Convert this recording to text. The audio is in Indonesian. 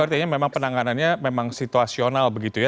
artinya memang penanganannya memang situasional begitu ya